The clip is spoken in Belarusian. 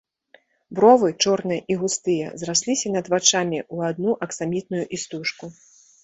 Бровы, чорныя і густыя, зрасліся над вачамі ў адну аксамітную істужку.